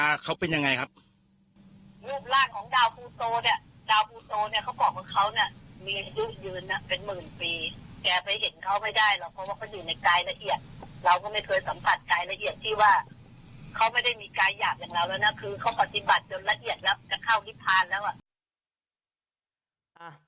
คือเขาปฏิบัติโดนละเอียดแล้วจะเข้าลิภาลแล้ว